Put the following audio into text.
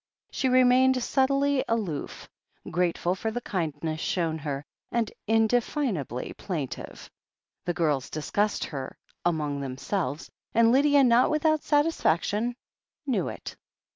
She remained subtly aloof, grateful for the kindness shown her and indefinably plaintive. The girls discussed her among themselves, and Lydia, not without satisfaction, knew it.